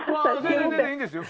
全然いいんですよ。